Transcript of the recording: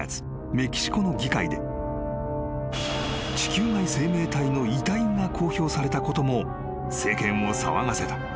メキシコの議会で地球外生命体の遺体が公表されたことも世間を騒がせた］